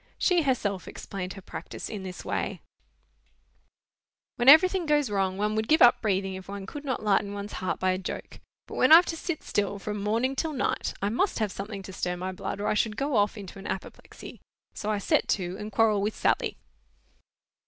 She herself explained her practice in this way:— "When everything goes wrong, one would give up breathing if one could not lighten ones heart by a joke. But when I've to sit still from morning till night, I must have something to stir my blood, or I should go off into an apoplexy; so I set to, and quarrel with Sally."